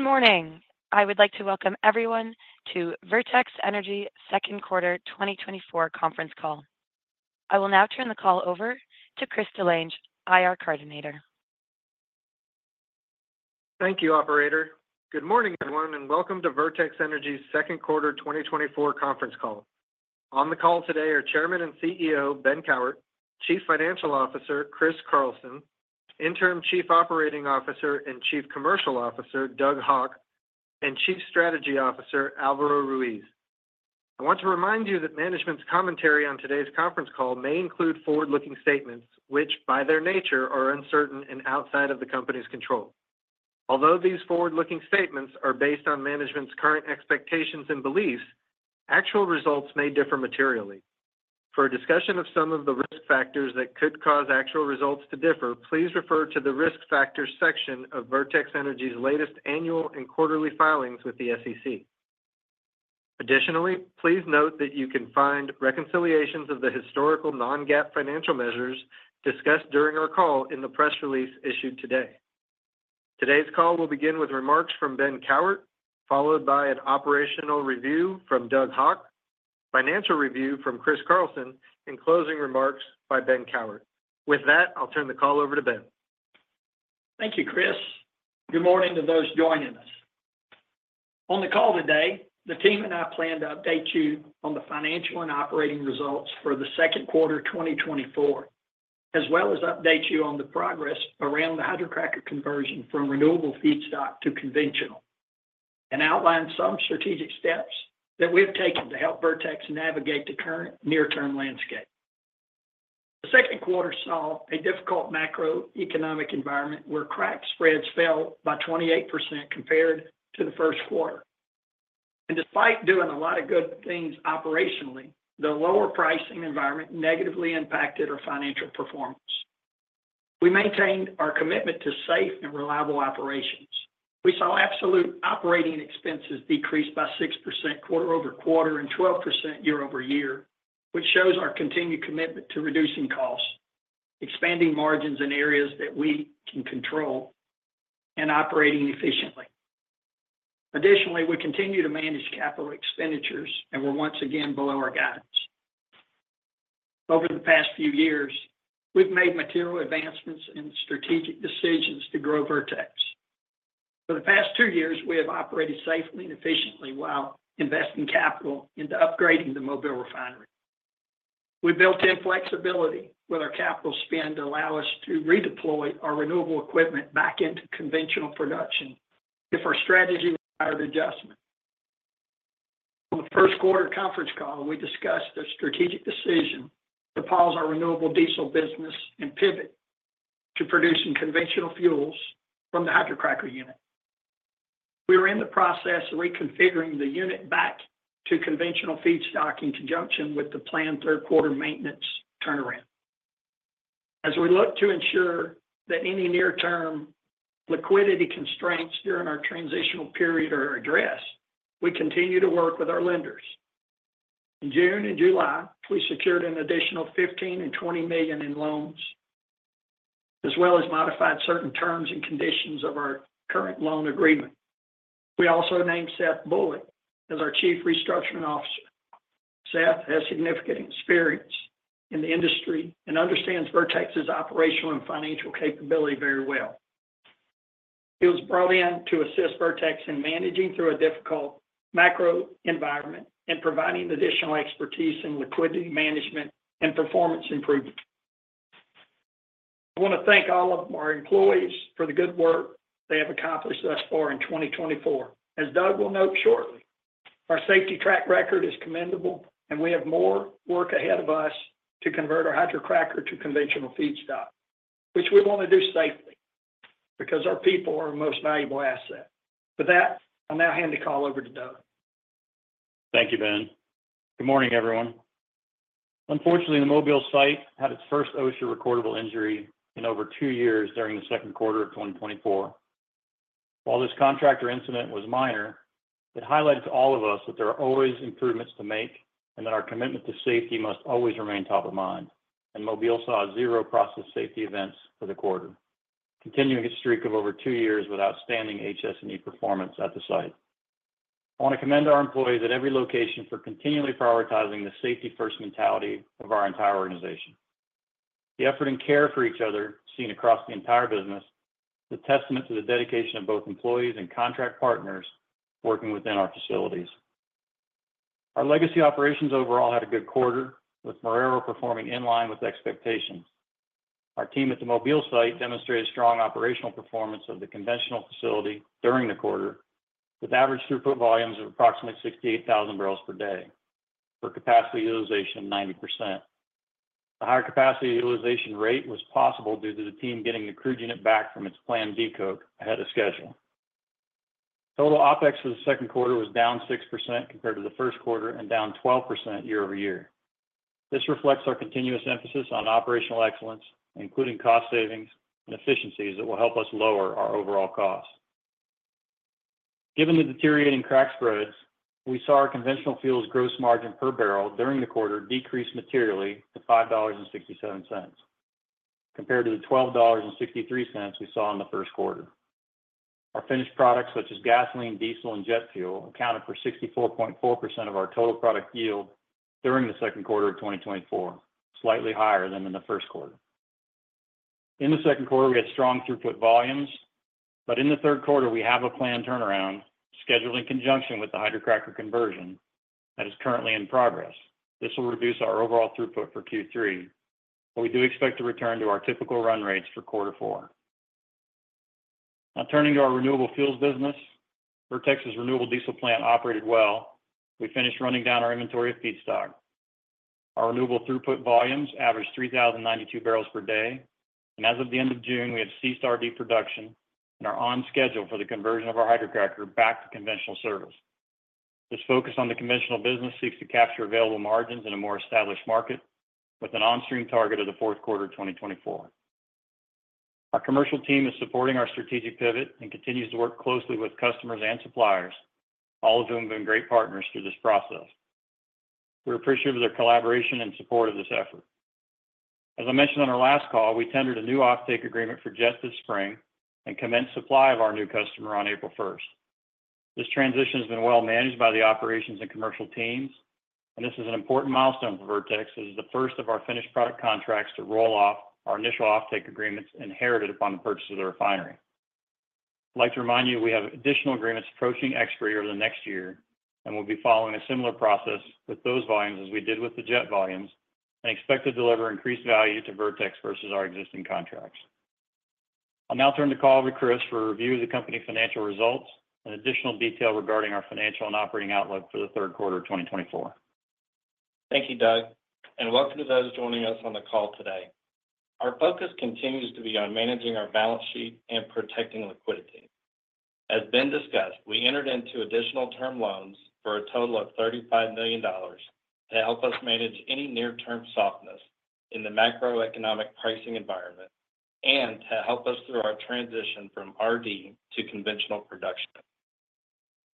Good morning. I would like to welcome everyone to Vertex Energy Second Quarter 2024 conference call. I will now turn the call over to Chris DeLange, IR coordinator. Thank you, operator. Good morning, everyone, and welcome to Vertex Energy's second quarter 2024 conference call. On the call today are Chairman and CEO, Ben Cowart, Chief Financial Officer, Chris Carlson, Interim Chief Operating Officer and Chief Commercial Officer, Doug Haugh, and Chief Strategy Officer, Alvaro Ruiz. I want to remind you that management's commentary on today's conference call may include forward-looking statements, which, by their nature, are uncertain and outside of the company's control. Although these forward-looking statements are based on management's current expectations and beliefs, actual results may differ materially. For a discussion of some of the risk factors that could cause actual results to differ, please refer to the risk factors section of Vertex Energy's latest annual and quarterly filings with the SEC. Additionally, please note that you can find reconciliations of the historical non-GAAP financial measures discussed during our call in the press release issued today. Today's call will begin with remarks from Ben Cowart, followed by an operational review from Doug Haugh, financial review from Chris Carlson, and closing remarks by Ben Cowart. With that, I'll turn the call over to Ben. Thank you, Chris. Good morning to those joining us. On the call today, the team and I plan to update you on the financial and operating results for the second quarter 2024, as well as update you on the progress around the hydrocracker conversion from renewable feedstock to conventional, and outline some strategic steps that we've taken to help Vertex navigate the current near-term landscape. The second quarter saw a difficult macroeconomic environment where crack spreads fell by 28% compared to the first quarter. Despite doing a lot of good things operationally, the lower pricing environment negatively impacted our financial performance. We maintained our commitment to safe and reliable operations. We saw absolute operating expenses decrease by 6% quarter-over-quarter and 12% year-over-year, which shows our continued commitment to reducing costs, expanding margins in areas that we can control, and operating efficiently. Additionally, we continue to manage capital expenditures, and we're once again below our guidance. Over the past few years, we've made material advancements in strategic decisions to grow Vertex. For the past two years, we have operated safely and efficiently while investing capital into upgrading the Mobile refinery. We built in flexibility with our capital spend to allow us to redeploy our renewable equipment back into conventional production if our strategy required adjustment. On the first quarter conference call, we discussed a strategic decision to pause our renewable diesel business and pivot to producing conventional fuels from the hydrocracker unit. We are in the process of reconfiguring the unit back to conventional feedstock in conjunction with the planned third quarter maintenance turnaround. As we look to ensure that any near-term liquidity constraints during our transitional period are addressed, we continue to work with our lenders. In June and July, we secured an additional $15 million and $20 million in loans, as well as modified certain terms and conditions of our current loan agreement. We also named Seth Bullet as our Chief Restructuring Officer. Seth has significant experience in the industry and understands Vertex's operational and financial capability very well. He was brought in to assist Vertex in managing through a difficult macro environment and providing additional expertise in liquidity management and performance improvement. I wanna thank all of our employees for the good work they have accomplished thus far in 2024. As Doug will note shortly, our safety track record is commendable, and we have more work ahead of us to convert our hydrocracker to conventional feedstock, which we wanna do safely, because our people are our most valuable asset. With that, I'll now hand the call over to Doug. Thank you, Ben. Good morning, everyone. Unfortunately, the Mobile site had its first OSHA recordable injury in over two years during the second quarter of 2024. While this contractor incident was minor, it highlighted to all of us that there are always improvements to make and that our commitment to safety must always remain top of mind. Mobile saw zero process safety events for the quarter, continuing its streak of over two years with outstanding HS&E performance at the site. I wanna commend our employees at every location for continually prioritizing the safety-first mentality of our entire organization. The effort and care for each other seen across the entire business is a testament to the dedication of both employees and contract partners working within our facilities. Our legacy operations overall had a good quarter, with Marrero performing in line with expectations. Our team at the Mobile site demonstrated strong operational performance of the conventional facility during the quarter, with average throughput volumes of approximately 68,000 barrels per day for capacity utilization, 90%. The higher capacity utilization rate was possible due to the team getting the crude unit back from its planned decoke ahead of schedule. Total OpEx for the second quarter was down six percent compared to the first quarter and down 12% year-over-year. This reflects our continuous emphasis on operational excellence, including cost savings and efficiencies that will help us lower our overall costs. Given the deteriorating crack spreads, we saw our conventional fuels gross margin per barrel during the quarter decrease materially to $5.67 compared to the $12.63 we saw in the first quarter. Our finished products, such as gasoline, diesel, and jet fuel, accounted for 64.4% of our total product yield during the second quarter of 2024, slightly higher than in the first quarter. In the second quarter, we had strong throughput volumes, but in the third quarter, we have a planned turnaround scheduled in conjunction with the hydrocracker conversion that is currently in progress. This will reduce our overall throughput for quarter three, but we do expect to return to our typical run rates for quarter four. Now, turning to our renewable fuels business, Vertex's renewable diesel plant operated well. We finished running down our inventory of feedstock. Our renewable throughput volumes averaged 3,092 barrels per day, and as of the end of June, we have ceased RD production and are on schedule for the conversion of our hydrocracker back to conventional service. This focus on the conventional business seeks to capture available margins in a more established market with an on-stream target of the fourth quarter of 2024. Our commercial team is supporting our strategic pivot and continues to work closely with customers and suppliers, all of whom have been great partners through this process. We're appreciative of their collaboration and support of this effort. As I mentioned on our last call, we tendered a new offtake agreement for jet this spring and commenced supply of our new customer on April first. This transition has been well managed by the operations and commercial teams, and this is an important milestone for Vertex. This is the first of our finished product contracts to roll off our initial offtake agreements inherited upon the purchase of the refinery. I'd like to remind you, we have additional agreements approaching expiry over the next year, and we'll be following a similar process with those volumes as we did with the jet volumes, and expect to deliver increased value to Vertex versus our existing contracts. I'll now turn the call over to Chris for a review of the company financial results and additional detail regarding our financial and operating outlook for the third quarter of 2024. Thank you, Doug, and welcome to those joining us on the call today. Our focus continues to be on managing our balance sheet and protecting liquidity. As been discussed, we entered into additional term loans for a total of $35 million to help us manage any near-term softness in the macroeconomic pricing environment and to help us through our transition from RD to conventional production.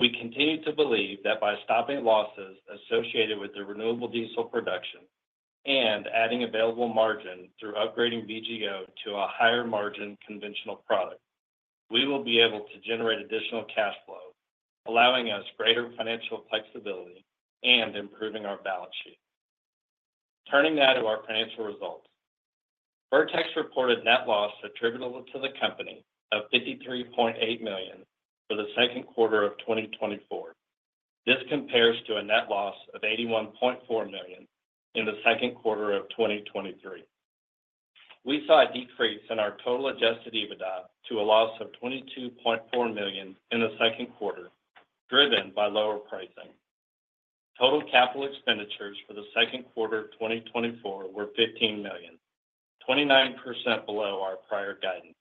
We continue to believe that by stopping losses associated with the renewable diesel production and adding available margin through upgrading VGO to a higher-margin conventional product, we will be able to generate additional cash flow, allowing us greater financial flexibility and improving our balance sheet. Turning now to our financial results. Vertex reported net loss attributable to the company of $53.8 million for the second quarter of 2024. This compares to a net loss of $81.4 million in the second quarter of 2023. We saw a decrease in our total Adjusted EBITDA to a loss of $22.4 million in the second quarter, driven by lower pricing. Total capital expenditures for the second quarter of 2024 were $15 million, 29% below our prior guidance,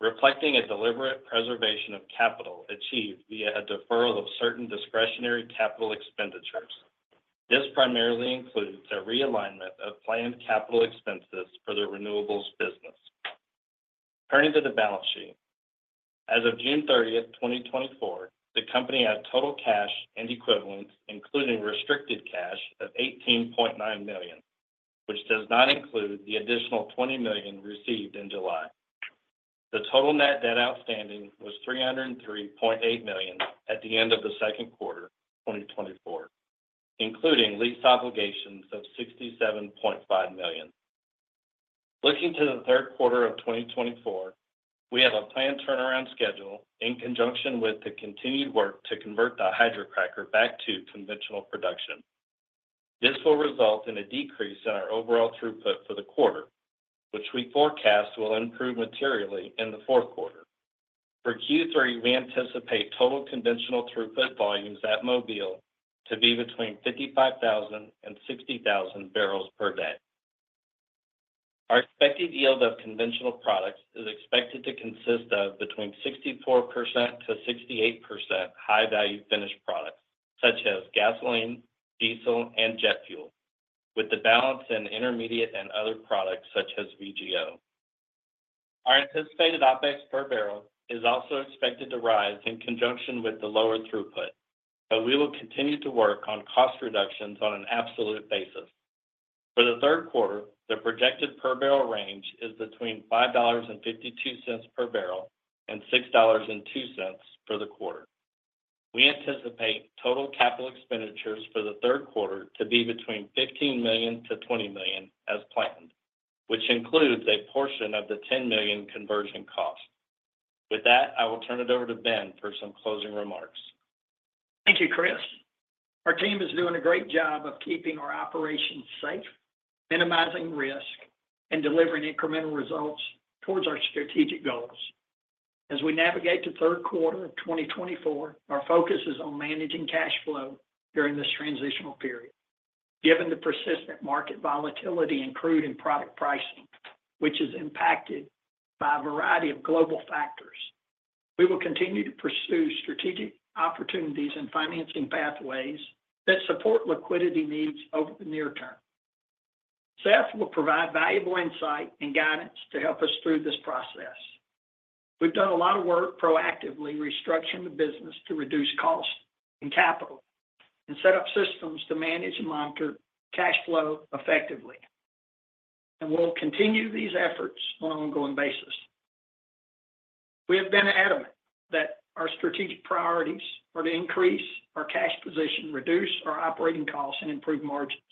reflecting a deliberate preservation of capital achieved via a deferral of certain discretionary capital expenditures. This primarily includes a realignment of planned capital expenses for the renewables business. Turning to the balance sheet. As of June 30, 2024, the company had total cash and equivalents, including restricted cash, of $18.9 million, which does not include the additional $20 million received in July. The total net debt outstanding was $303.8 million at the end of the second quarter of 2024, including lease obligations of $67.5 million. Looking to the third quarter of 2024, we have a planned turnaround schedule in conjunction with the continued work to convert the hydrocracker back to conventional production. This will result in a decrease in our overall throughput for the quarter, which we forecast will improve materially in the fourth quarter. For Q3, we anticipate total conventional throughput volumes at Mobile to be between 55,000 and 60,000 barrels per day. Our expected yield of conventional products is expected to consist of between 64% and 68% high-value finished products, such as gasoline, diesel, and jet fuel, with the balance in intermediate and other products such as VGO. Our anticipated OpEx per barrel is also expected to rise in conjunction with the lower throughput, but we will continue to work on cost reductions on an absolute basis. For the third quarter, the projected per barrel range is between $5.52 per barrel and $6.02 for the quarter. We anticipate total capital expenditures for the third quarter to be between $15 million-$20 million as planned, which includes a portion of the $10 million conversion cost. With that, I will turn it over to Ben for some closing remarks. Thank you, Chris. Our team is doing a great job of keeping our operations safe, minimizing risk, and delivering incremental results towards our strategic goals. As we navigate to the third quarter of 2024, our focus is on managing cash flow during this transitional period. Given the persistent market volatility in crude and product pricing, which is impacted by a variety of global factors, we will continue to pursue strategic opportunities and financing pathways that support liquidity needs over the near term. Seth will provide valuable insight and guidance to help us through this process. We've done a lot of work proactively restructuring the business to reduce cost and capital, and set up systems to manage and monitor cash flow effectively, and we'll continue these efforts on an ongoing basis. We have been adamant that our strategic priorities are to increase our cash position, reduce our operating costs, and improve margins.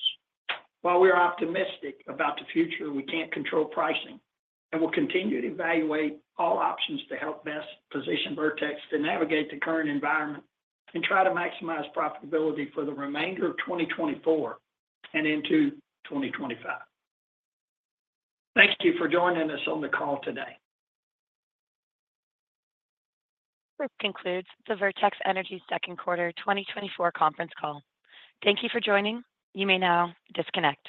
While we are optimistic about the future, we can't control pricing, and we'll continue to evaluate all options to help best position Vertex to navigate the current environment and try to maximize profitability for the remainder of 2024 and into 2025. Thank you for joining us on the call today. This concludes the Vertex Energy second quarter 2024 conference call. Thank you for joining. You may now disconnect.